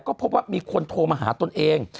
ก็พบว่ามีคนโทรมาหาตนเอง